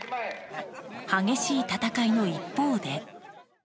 激しい戦いの一方で。